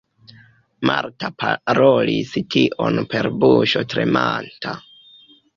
Marta parolis tion per buŝo tremanta.